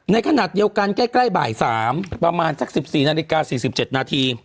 ในขณะเดียวกันใกล้บ่าย๓ประมาณสัก๑๔นาฬิกา๔๗นาที